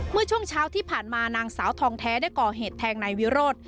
เมื่อช่วงเช้าที่ผ่านมานางสาวทองแท้ได้ก่อเหตุแทงนายวิโรธ